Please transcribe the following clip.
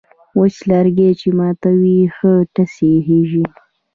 وچ لرگی چې ماتوې، ښه ټس یې خېژي.